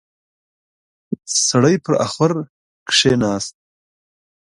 سړی پر اخور کېناست.